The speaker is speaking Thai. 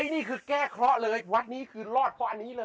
นี่คือแก้เคราะห์เลยวัดนี้คือรอดเพราะอันนี้เลย